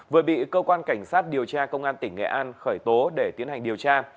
vừa bị cơ quan cảnh sát điều tra công an tỉnh nghệ an khởi tố để tiến hành điều tra